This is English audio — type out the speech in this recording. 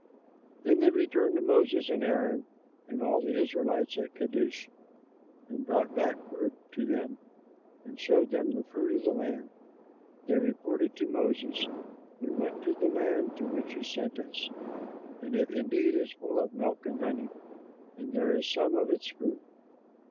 Then they returned to Moses and Aaron and all the Israelites at Kadesh and brought back word to them and showed them the fruit of the land. They reported to Moses, "We went to the land to which you sent us; and it indeed is full of milk and honey; and this is some of its fruit.